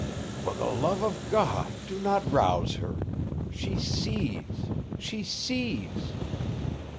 "For the love of God, do not rouse her. She sees! She sees!"